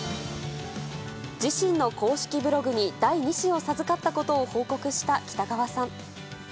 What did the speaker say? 自身の公式ブログに第２子を授かったことを報告した北川さん。